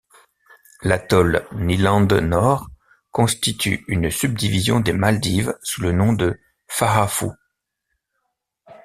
L'atoll Nilandhe Nord constitue une subdivision des Maldives sous le nom de Faafu.